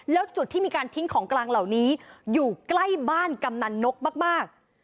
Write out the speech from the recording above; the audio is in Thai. แล้วจุดที่มีการทิ้งของกลางเหล่านี้อยู่ใกล้บ้านกำนันนกมาก